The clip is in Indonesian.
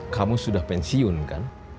kamu sudah pensiun kan